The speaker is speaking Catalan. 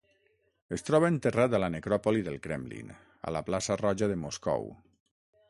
Es troba enterrat a la necròpoli del Kremlin, a la plaça Roja de Moscou.